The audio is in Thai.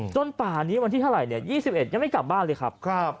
ป่านี้วันที่เท่าไหร่๒๑ยังไม่กลับบ้านเลยครับ